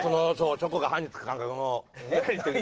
チョコが歯に付く感覚も。